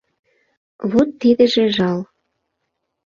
Вот тидыже жал...